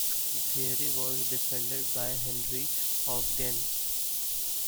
The theory was defended by Henry of Ghent.